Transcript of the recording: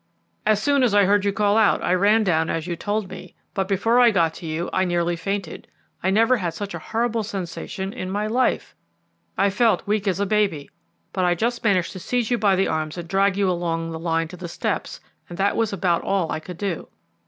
As soon as I heard you call out I ran down as you told me, but before I got to you I nearly fainted. I never had such a horrible sensation in my life. I felt as weak as a baby, but I just managed to seize you by the arms and drag you along the line to the steps, and that was about all I could do."